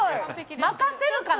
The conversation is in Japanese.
任せるかな？